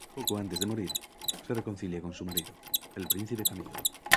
Poco antes de morir, se reconcilia con su marido, el príncipe Camillo.